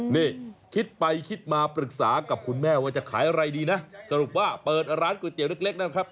นี่คิดไปคิดมาปรึกษากับคุณแม่ว่าจะขายอะไรดีนะสรุปว่าเปิดร้านก๋วยเตี๋ยวเล็กนะครับ